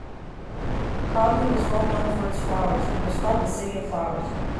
Codlea was well known for its flowers and was called the city of flowers.